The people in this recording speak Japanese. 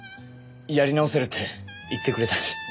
やり直せるって言ってくれたし。